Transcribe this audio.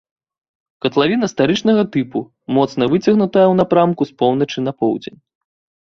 Катлавіна старычнага тыпу, моцна выцягнутая ў напрамку з поўначы на поўдзень.